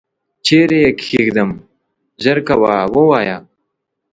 چیري یې کښېږدم ؟ ژر کوه ووایه !